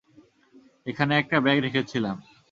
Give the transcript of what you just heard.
এখানে একটা ব্যাগ রেখেছিলাম।